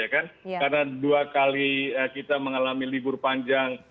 karena dua kali kita mengalami libur panjang